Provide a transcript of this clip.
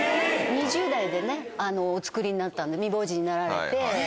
２０代でねお造りになったんで未亡人になられて。